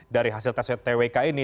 dari hasil tes twk ini